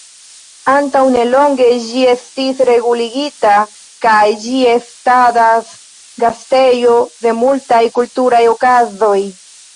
Antaŭ nelonge ĝi estis reguligita kaj ĝi estadas gastejo de multaj kulturaj okazoj.